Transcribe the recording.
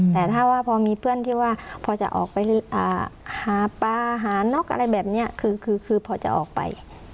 แต่ถ้าว่าพอมีเพื่อนที่ว่าพอจะออกไปหาปลาหานกอะไรแบบนี้คือพอจะออกไป